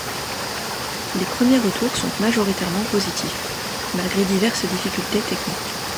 Les premiers retours sont majoritairement positifs, malgré diverses difficultés techniques.